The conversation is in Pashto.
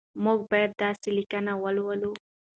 موږ باید داسې لیکنې ولولو.